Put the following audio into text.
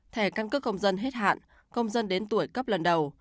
thẻ căn cước công dân hết hạn công dân đến tuổi cấp lần đầu